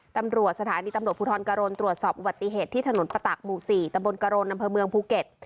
ตำรวจสถานีตำรวจภูทรกรณตรวจสอบอุบัติเหตุที่ถนนประตักหมู่๔ตำบลกรณอำเภอเมืองภูเก็ต